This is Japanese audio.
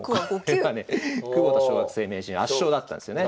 窪田小学生名人圧勝だったんですよね。